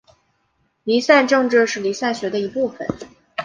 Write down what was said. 离散政治是离散学的一部份。